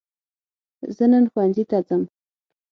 زه نن ښوونځي ته ځم